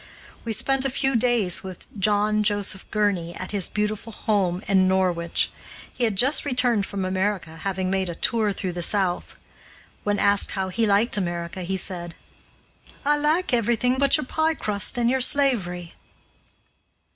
We spent a few days with John Joseph Gurney at his beautiful home in Norwich. He had just returned from America, having made a tour through the South. When asked how he liked America, he said, "I like everything but your pie crust and your slavery."